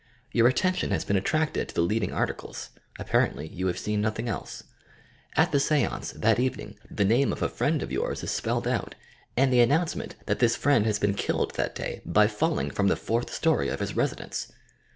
Your attention has been attracted to the leading articles; apparently you have seen nothing else. At the stance, that evening, the name of a friend of yours is spelled out, and the announcement that this friend has been killed that day, by falling from the fourth story of his residence!